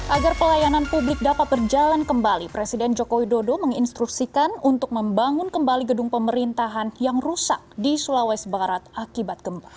agar pelayanan publik dapat berjalan kembali presiden joko widodo menginstruksikan untuk membangun kembali gedung pemerintahan yang rusak di sulawesi barat akibat gempa